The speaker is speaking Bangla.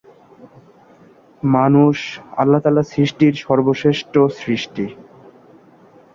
তবে, তিন খেলার পরই ব্রিজটাউনে গ্রাহাম ম্যাকেঞ্জি’র বল মোকাবেলা করতে গিয়ে মাথায় আঘাত করে।